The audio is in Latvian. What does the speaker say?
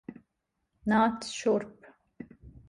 Nāc šurp.